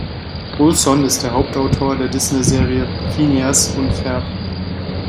Olson ist der Hauptautor der Disney-Serie Phineas und Ferb.